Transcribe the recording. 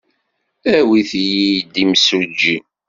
Awit-iyi-d imsujji.